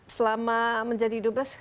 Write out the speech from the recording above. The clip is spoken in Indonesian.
selama menjadi dubes